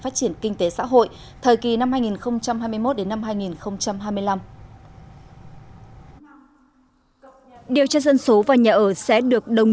phát triển kinh tế xã hội thời kỳ năm hai nghìn hai mươi một đến năm hai nghìn hai mươi năm điều tra dân số và nhà ở sẽ được đồng